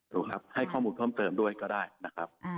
ถูกครับให้ข้อมูลเพิ่มเติมด้วยก็ได้นะครับ